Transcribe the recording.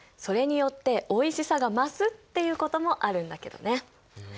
それによっておいしさが増すっていうこともあるんだけどね。